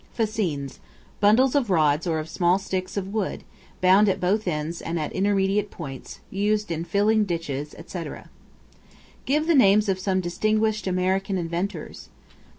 Fascines, bundles of rods or of small sticks of wood, bound at both ends and at intermediate points, used in filling ditches, etc. Give the names of some distinguished American inventors.